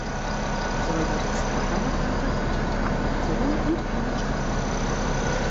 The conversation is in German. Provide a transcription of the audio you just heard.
Seubert ist verheiratet und hat einen Sohn und eine Tochter.